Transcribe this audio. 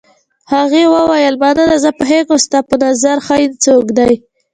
هغې وویل: مننه، زه پوهېږم ستا په نظر ښه څوک دی.